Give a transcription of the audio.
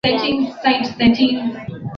Nilipata gari langu jana